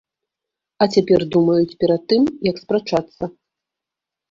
А цяпер думаюць перад тым, як спрачацца.